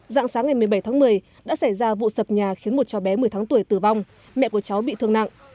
dạng sáng ngày một mươi bảy tháng một mươi đã xảy ra vụ sập nhà khiến một cháu bé một mươi tháng tuổi tử vong mẹ của cháu bị thương nặng